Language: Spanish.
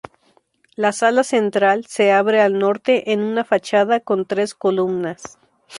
La sala central se abre al norte en una fachada con tres columnas.